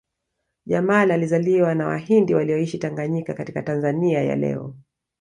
Jamal alizaliwa na Wahindi walioishi Tanganyika katika Tanzania ya leo